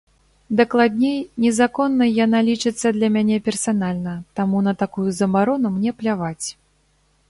Дакладней, незаконнай яна лічыцца для мяне персанальна, таму на такую забарону мне пляваць.